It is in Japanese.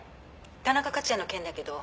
田中克也の件だけど」